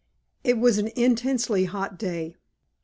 "It was an intensely hot day.